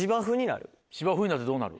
芝生になるとどうなる？